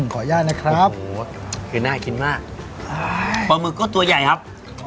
ขออนุญาตนะครับโอ้โหคือน่ากินมากปลาหมึกก็ตัวใหญ่ครับ